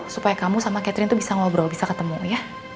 supaya kamu sama catherine itu bisa ngobrol bisa ketemu ya